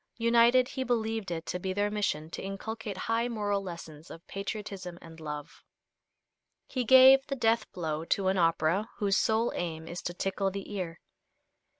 United, he believed it to be their mission to inculcate high moral lessons of patriotism and love. He gave the death blow to an opera whose sole aim is to tickle the ear.